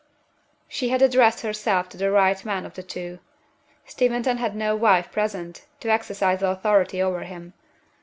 She had addressed herself to the right man of the two. Steventon had no wife present to exercise authority over him.